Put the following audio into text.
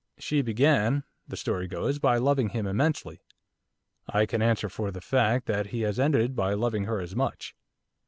She began, the story goes, by loving him immensely; I can answer for the fact that he has ended by loving her as much.